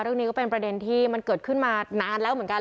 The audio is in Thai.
เรื่องนี้ก็เป็นประเด็นที่มันเกิดขึ้นมานานแล้วเหมือนกัน